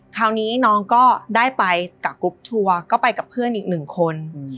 คราวนี้น้องก็ได้ไปกับกรุ๊ปทัวร์ก็ไปกับเพื่อนอีกหนึ่งคน